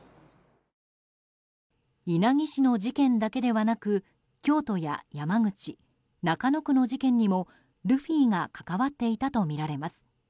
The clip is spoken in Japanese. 稲城市の事件だけではなく京都や山口中野区の事件にも、ルフィが関わっていたとみられます。